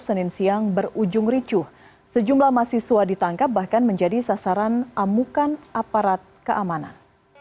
senin siang berujung ricuh sejumlah mahasiswa ditangkap bahkan menjadi sasaran amukan aparat keamanan